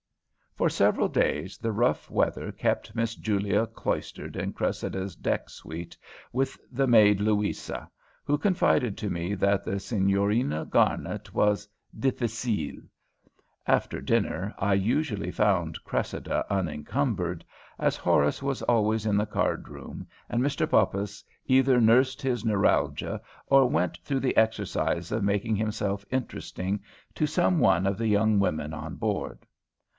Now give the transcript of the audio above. For several days the rough weather kept Miss Julia cloistered in Cressida's deck suite with the maid, Luisa, who confided to me that the Signorina Garnet was "dificile." After dinner I usually found Cressida unincumbered, as Horace was always in the cardroom and Mr. Poppas either nursed his neuralgia or went through the exercise of making himself interesting to some one of the young women on board.